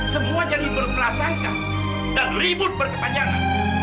semua jadi berprasangka dan ribut berkepanjangan